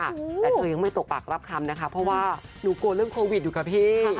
แต่เธอยังไม่ตกปากรับคำนะคะเพราะว่าหนูกลัวเรื่องโควิดอยู่ค่ะพี่